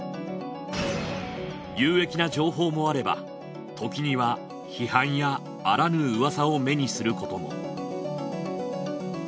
有益な情報もあれば時には批判やあらぬうわさを目にすることも